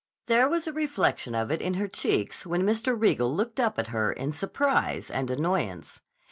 There was a reflection of it in her cheeks when Mr. Riegel looked up at her in surprise and annoyance.